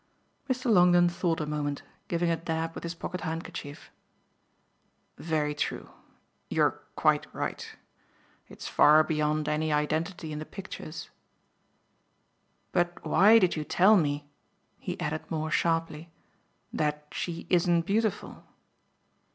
Mr. Longdon thought a moment, giving a dab with his pocket handkerchief. "Very true you're quite right. It's far beyond any identity in the pictures. But why did you tell me," he added more sharply, "that she isn't beautiful?"